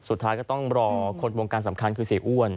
สุดท้ายก็ต้องรอคนวงการสำคัญคือเสียอ้วน